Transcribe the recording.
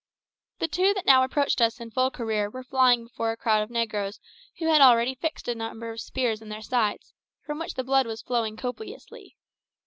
The two that now approached us in full career were flying before a crowd of negroes who had already fixed a number of spears in their sides, from which the blood was flowing copiously.